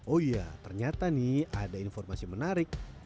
oh iya ternyata nih ada informasi menarik